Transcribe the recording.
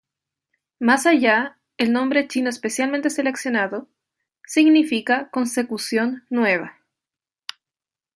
Más allá, el nombre chino especialmente seleccionado, 新达, significa "consecución nueva".